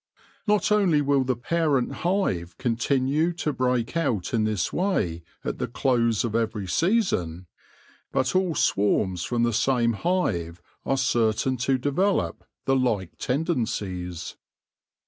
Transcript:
Not only will the parent hive continue to break out in this way at the close of every season, but all swarms from the same hive are certain to develop the like tendencies.